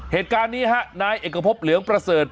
เหตุการณ์นี้ฮะนายเอกพบเหลืองประเสริฐ